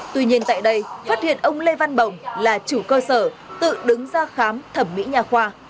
tuy nhiên tại đây phát hiện ông lê văn bồng là chủ cơ sở tự đứng ra khám thẩm mỹ nhà khoa